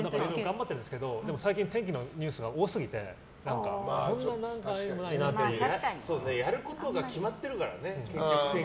頑張ってるんですけど最近ニュースがありすぎてやることが決まってるからね。